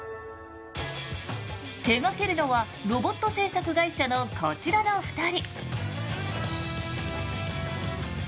手がけるのはロボット制作会社のこちらの２人。